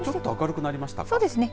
そうですね。